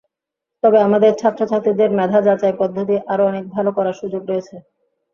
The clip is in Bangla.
তবে আমাদের ছাত্রছাত্রীদের মেধা যাচাই পদ্ধতি আরও অনেক ভালো করার সুযোগ রয়েছে।